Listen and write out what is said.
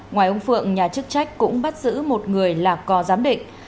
ngoài ông phượng nhà chức trách cũng bắt giữ một người lạc cò giám định